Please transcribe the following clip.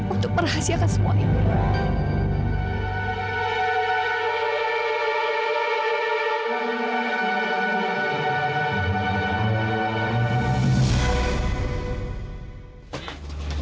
untuk merahasiakan semua ini